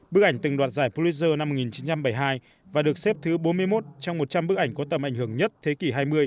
bức ảnh từng đoạt giải pulitzer năm một nghìn chín trăm bảy mươi hai và được xếp thứ bốn mươi một trong một trăm linh bức ảnh có tầm ảnh hưởng nhất thế kỷ hai mươi